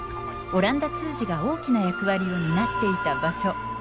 オランダ通詞が大きな役割を担っていた場所